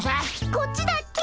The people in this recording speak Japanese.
あっちだっけ？